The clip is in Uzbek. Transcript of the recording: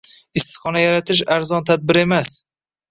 Issiqxona yaratish arzon tadbir emas